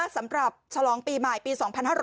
สำหรับฉลองปีใหม่๒๕๖๕